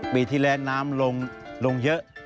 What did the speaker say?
ปีที่แล้วน้ำลงเยอะ